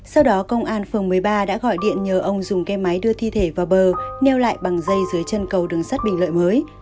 sau đó công an phường một mươi ba đã gọi điện nhờ ông dùng kem máy đưa thi thể vào bờ neo lại bằng dây dưới chân cầu đường sắt bình lợi mới